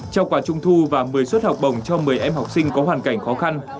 trao quà trung thu và một mươi suất học bổng cho một mươi em học sinh có hoàn cảnh khó khăn